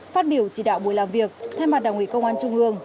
phát biểu chỉ đạo buổi làm việc thay mặt đảng ủy công an trung ương